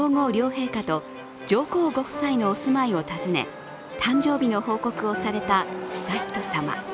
天皇皇后両陛下と上皇夫妻のおすまいを訪ね誕生日の報告をされた悠仁さま。